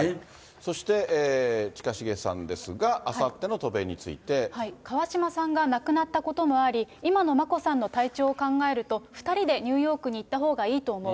そして、近重さんですが、あさっての渡米について。川嶋さんが亡くなったこともあり、今の眞子さんの体調を考えると、２人でニューヨークに行ったほうがいいと思う。